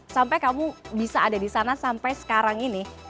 sampai kamu bisa ada di sana sampai sekarang ini